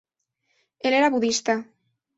Él era budista.